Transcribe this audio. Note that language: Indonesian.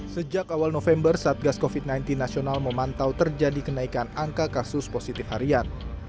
sejak awal november satgas covid sembilan belas nasional memantau terjadi kenaikan angka kasus positif harian